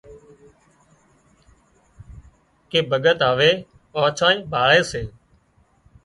ڪي ڀڳت هوي آنڇانئي ڀاۯي سي